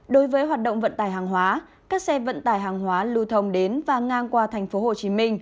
đối với hoạt động vận tải hàng hóa các xe vận tải hàng hóa lưu thông đến và ngang qua tp hcm